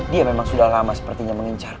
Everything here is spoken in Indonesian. dia memang sudah lama sepertinya mengincar